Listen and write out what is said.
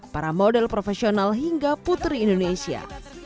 para model profesional hingga putri indonesia